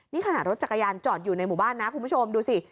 นี่ขณะรถจักรยานจอดอยู่ในหมู่บ้านนะคุณผู้ชมดูสิ